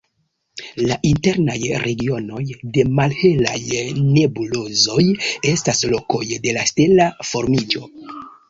La internaj regionoj de malhelaj nebulozoj estas lokoj de la stela formiĝo.